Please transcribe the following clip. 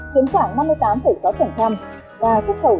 kiếm khoảng năm mươi tám sáu và xuất khẩu